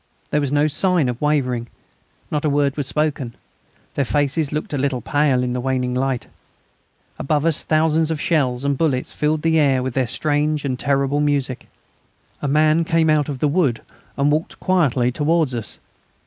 There was no sign of wavering; not a word was spoken; their faces looked a little pale in the waning light. Above us thousands of shells and bullets filled the air with their strange and terrible music. A man came out of the wood and walked quietly towards us.